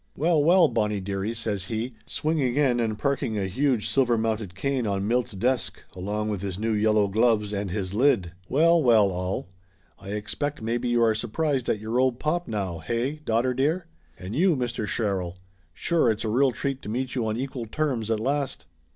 "Well, well, Bonnie dearie!" says he, swinging in and parking a huge silver mounted cane on Milt's desk along with his new yellow gloves and his lid. "Well, well, all! I expect maybe you are surprised at your old pop now, hey, daughter dear ? And you, Mr. Sher rill ! Sure it's a real treat to meet you on equal terms at last!"